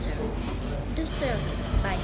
THE SERVANT BY S.T.